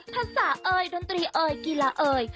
ภาษาเอยดนตรีเอ่ยกีฬาเอ่ย